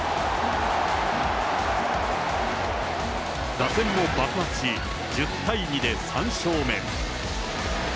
打線も爆発し、１０対２で３勝目。